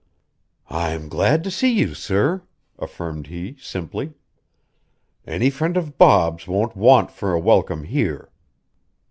"I'm glad to see you, sir," affirmed he simply. "Any friend of Bob's won't want for a welcome here.